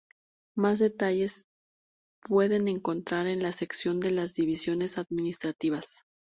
Más detalles se pueden encontrar en la sección de las divisiones administrativas.